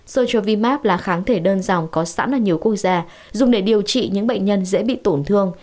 sochovimax là kháng thể đơn dòng có sẵn ở nhiều quốc gia dùng để điều trị những bệnh nhân dễ bị tổn thương